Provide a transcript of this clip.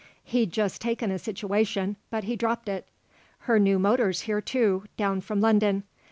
He'd just taken a situation, but he dropped it. Her new motor's here, too, down from London.